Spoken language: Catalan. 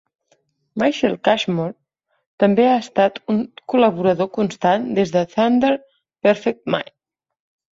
Michael Cashmore també ha estat un col·laborador constant des de Thunder Perfect Mind.